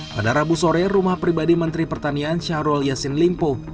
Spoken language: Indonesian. pada rabu sore rumah pribadi menteri pertanian syahrul yassin limpo